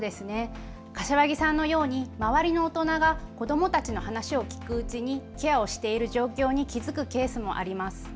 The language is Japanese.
柏木さんのように周りの大人が子どもたちの話を聞くうちにケアをしている状況に気付くケースもあります。